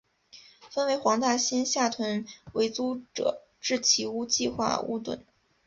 分为黄大仙下邨为租者置其屋计划屋邨。